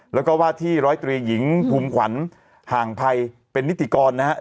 แล้วก็ว่าที่ร้อยตรีหญิงภูมิขวัญห่างภัยเป็นนิติกรนะครับ